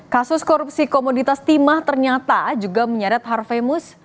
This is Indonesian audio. kasus korupsi komoditas timah ternyata juga menyadat harvey muis